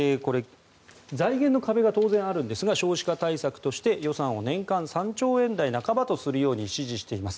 財源の壁が当然あるんですが予算を年間で３兆円台半ばとするよう指示しています。